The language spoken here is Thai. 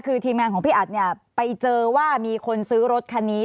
คือทีมงานของพี่อัดเนี่ยไปเจอว่ามีคนซื้อรถคันนี้